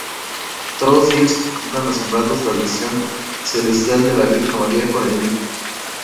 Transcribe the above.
Todos ellos contemplan asombrados la visión celestial de la Virgen María con el Niño.